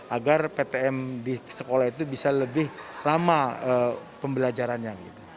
agar ptm di sekolah itu bisa lebih lama pembelajarannya